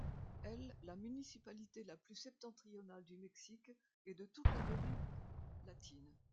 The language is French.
Elle la municipalité la plus septentrionale du Mexique et de toute l'Amérique latine.